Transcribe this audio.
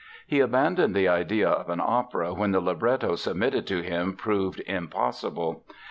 He abandoned the idea of an opera when the libretto submitted to him proved impossible.